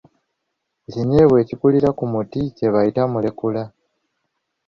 Ekinyeebwa ekikulira ku muti kye bayita Mulekula.